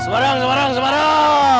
semarang semarang semarang